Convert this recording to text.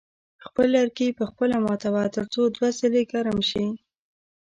خپل لرګي په خپله ماتوه تر څو دوه ځله ګرم شي.